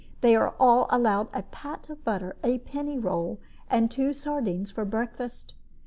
They are all allowed a pat of butter, a penny roll, and two sardines for breakfast.